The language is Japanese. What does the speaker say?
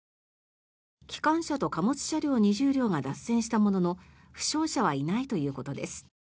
機関車と貨物車両２０両が脱線したものの負傷者はいないということです。